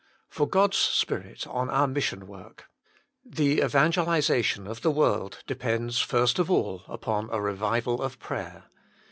|For (Soft s Spirit on onr fRissioit tffijorh "The evangelisation of the world depends first of all upon a revival of prayer.